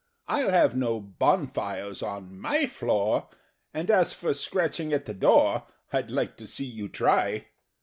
I'll have no bonfires on my floor And, as for scratching at the door, I'd like to see you try!"